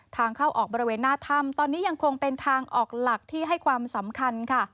ทางเข้าออกบริเวณหน้าถ้ำตอนนี้ยังคงเป็นทางออกหลักที่ให้ความสำคัญค่ะ